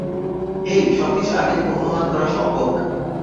হেই, সবকিছু আগে থেকে অনুমান করা সম্ভব না।